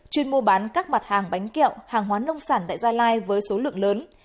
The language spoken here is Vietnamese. chuyên mua bán các mặt hàng bánh kẹo hàng hóa nông sản tại gia lai với số lượng lớn